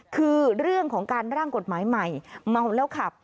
คือเรื่องของการร่างกฎหมายใหม่เมาแล้วขับ